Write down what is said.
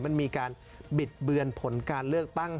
มันมีการบิดเบือนผลการเลือกตั้ง